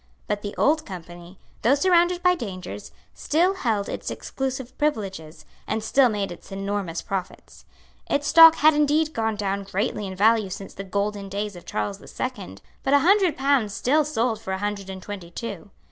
But the Old Company, though surrounded by dangers, still held its exclusive privileges, and still made its enormous profits. Its stock had indeed gone down greatly in value since the golden days of Charles the Second; but a hundred pounds still sold for a hundred and twenty two.